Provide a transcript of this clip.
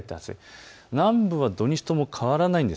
南部は土日とも変わりません。